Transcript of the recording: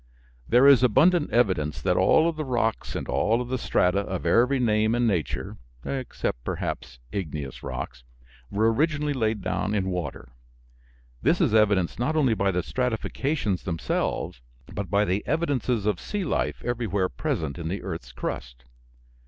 There is abundant evidence that all of the rocks and all of the strata of every name and nature (except perhaps igneous rocks) were originally laid down in water. This is evidenced not only by the stratifications themselves, but by the evidences of sea life everywhere present in the earth's crust.